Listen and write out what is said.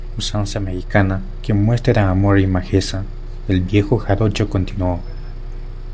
usanza mexicana que muestra amor y majeza, el viejo jarocho continuó: